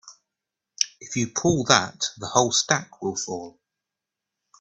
If you pull that the whole stack will fall.